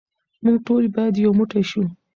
موږ ټول باید یو موټی شو.